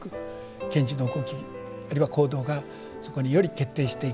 賢治の動きあるいは行動がそこにより決定していく。